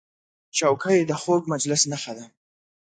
چوکۍ د خوږ مجلس نښه ده.